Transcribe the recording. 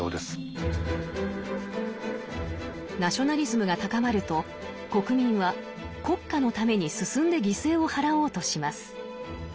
ナショナリズムが高まると国民は国家のために進んで犠牲を払おうとします。